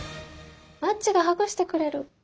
「マッチがハグしてくれる」。